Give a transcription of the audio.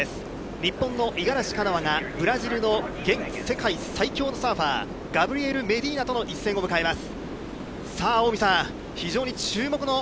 日本の五十嵐カノアがブラジルの世界最強サーファー、ガブリエル・メディーナとの一戦を迎えます。